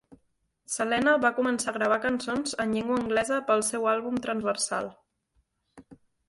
Selena va començar a gravar cançons en llengua anglesa pel seu àlbum transversal.